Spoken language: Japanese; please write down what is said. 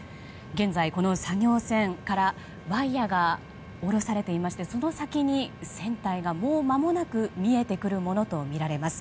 現在、この作業船からワイヤが下ろされていましてその先に、船体がもうまもなく見えてくるものとみられます。